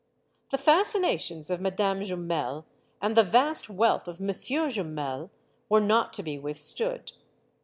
The fascinations of Madame Jumel and the vast wealth of Monsieur Jumel were not to be withstood.